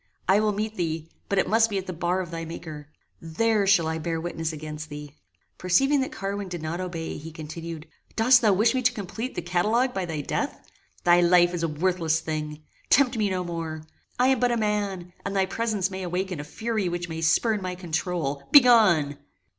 I will meet thee, but it must be at the bar of thy Maker. There shall I bear witness against thee." Perceiving that Carwin did not obey, he continued; "Dost thou wish me to complete the catalogue by thy death? Thy life is a worthless thing. Tempt me no more. I am but a man, and thy presence may awaken a fury which may spurn my controul. Begone!"